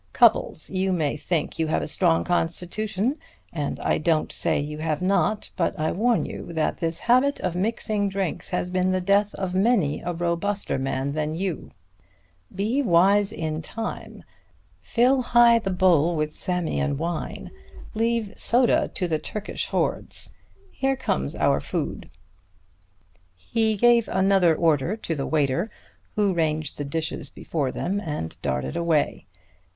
Cupples, you may think you have a strong constitution, and I don't say you have not, but I warn you that this habit of mixing drinks has been the death of many a robuster man than you. Be wise in time. Fill high the bowl with Samian wine; leave soda to the Turkish hordes. Here comes our food." He gave another order to the waiter, who ranged the dishes before them and darted away.